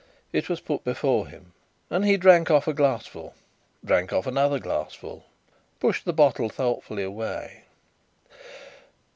It was put before him, and he drank off a glassful drank off another glassful pushed the bottle thoughtfully away.